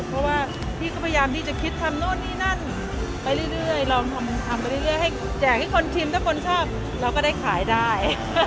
เพราะว่าพี่ก็พยายามที่จะคิดทำโน่นนี่นั่นไปเรื่อยลองทำไปเรื่อยให้แจกให้คนชิมถ้าคนชอบเราก็ได้ขายได้